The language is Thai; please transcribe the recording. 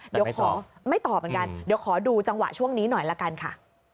เดี๋ยวขอไม่ตอบเหมือนกันเดี๋ยวขอดูจังหวะช่วงนี้หน่อยละกันค่ะ